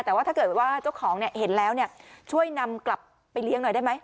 แต่ว่าถ้าเกิดว่าเจ้าของเห็นแล้วช่วยนำกลับไปเลี้ยงหน่อยได้ไหม